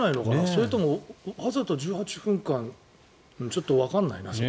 それともわざと１８分間ちょっとわからないな。